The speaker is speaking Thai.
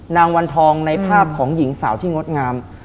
วันทองในภาพของหญิงสาวที่งดงาม